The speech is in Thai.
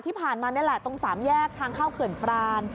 ที่ผ่านมานี่แหละตรงสามแยกทางเข้าเขื่อนปราน